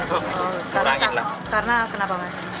oh karena kenapa mas